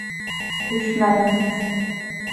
Төшмәнең!